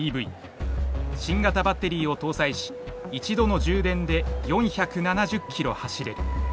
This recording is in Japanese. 新型バッテリーを搭載し１度の充電で４７０ｋｍ走れる。